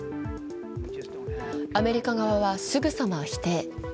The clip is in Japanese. アメリカ側はすぐさま否定。